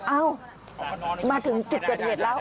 เอ้ามาถึงจุดเกิดเหตุแล้ว